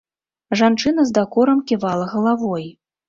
Жанчына з дакорам ківала галавой.